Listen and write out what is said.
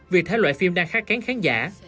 vì thế loại phim đang khát kén khán giả